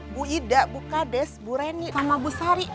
bu ida bu kades bu reni sama bu sari